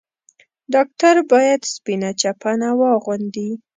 ډاکټر بايد سپينه چپنه واغوندي.